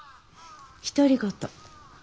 独り言。